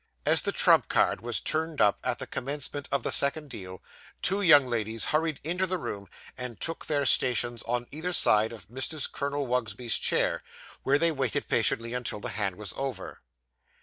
As the trump card was turned up, at the commencement of the second deal, two young ladies hurried into the room, and took their stations on either side of Mrs. Colonel Wugsby's chair, where they waited patiently until the hand was over.